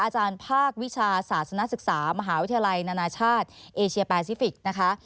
อาจารย์ภาควิชาศาสนศึกษามหาวิทยาลัยนานาชาติเอเชียแปซิฟิกนะคะ